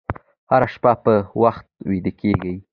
هره شپه په وخت ویده کېږئ.